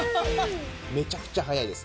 めちゃくちゃ早いです